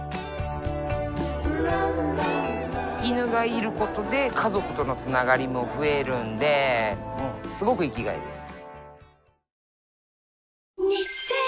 犬がいる事で家族との繋がりも増えるんですごく生きがいです。